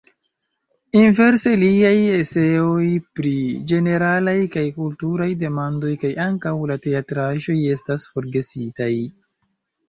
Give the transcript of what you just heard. Inverse liaj eseoj pri ĝeneralaj kaj kulturaj demandoj kaj ankaŭ la teatraĵoj estas forgesitaj.